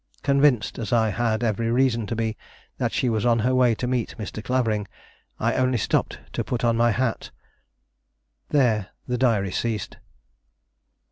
Convinced, as I had every reason to be, that she was on her way to meet Mr. Clavering, I only stopped to put on my hat " There the Diary ceased.